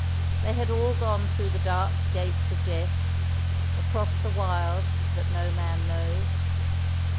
They had all gone through the dark gates of death across the wild that no man knows.